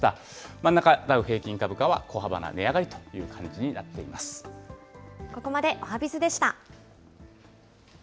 真ん中、ダウ平均株価は小幅な値ここまでおはＢｉｚでした。